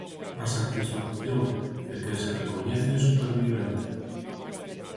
A satisfacción de quen se recoñece supervivente.